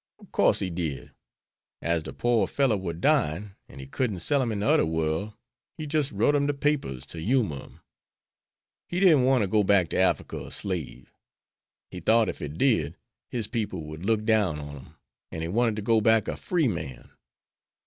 "Ob course he did. As de poor fellow war dying an' he couldn't sell him in de oder world, he jis' wrote him de papers to yumor him. He didn't want to go back to Africa a slave. He thought if he did, his people would look down on him, an' he wanted to go back a free man.